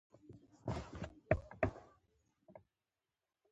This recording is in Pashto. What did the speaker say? ځکه مړي بیا نه شي سره ورتلای.